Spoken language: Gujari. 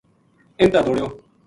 اِنھ تا دوڑیو